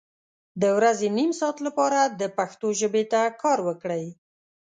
د ورځې نیم ساعت لپاره د پښتو ژبې ته کار وکړئ